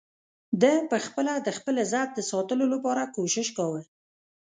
ده په خپله د خپل عزت د ساتلو لپاره کوشش کاوه.